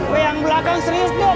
weh yang belakang serius bu